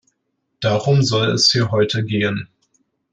Darum soll es hier heute gehen.